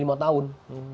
lebih dari lima tahun